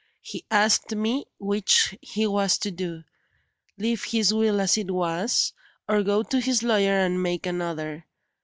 He asked me which he was to do leave his will as it was, or go to his lawyer and make another.